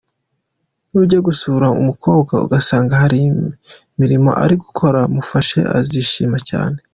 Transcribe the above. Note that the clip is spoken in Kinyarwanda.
Nujya gusura umukobwa ugasanga hari imirimo ari gukora, mufashe azishima cyane.